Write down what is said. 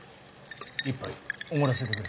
一杯おごらせてくれ。